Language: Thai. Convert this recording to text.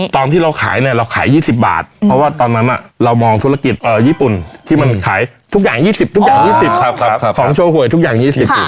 ตอนที่เราขายเราขาย๒๐บาทเพราะว่าตอนนั้นเรามองธุรกิจญี่ปุ่นที่มันขายทุกอย่าง๒๐ของโชว์หวยทุกอย่าง๒๐